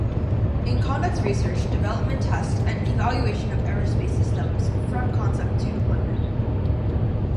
It conducts research, development, test, and evaluation of aerospace systems from concept to deployment.